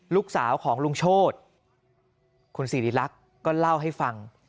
ลูกสาวของลุงโชธคุณสิริรักษ์ก็เล่าให้ฟัง